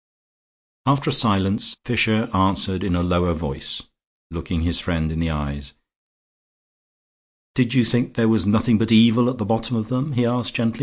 After a silence Fisher answered in a lower voice, looking his friend in the eyes. "Did you think there was nothing but evil at the bottom of them?" he asked, gently.